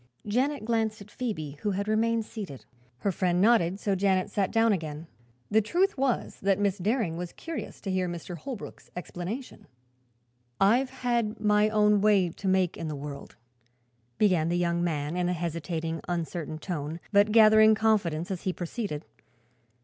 Janet glanced at Phoebe, who had remained seated. Her friend nodded, so Janet sat down again. The truth was that Miss Daring was curious to hear Mr. Holbrook's explanation. "I've had my own way to make in the world," began the young man, in a hesitating, uncertain tone, but gathering confidence as he proceeded.